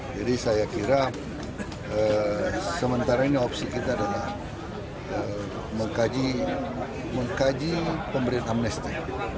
jadi saya kira sementara ini opsi kita adalah mengkaji pemerintah amnesti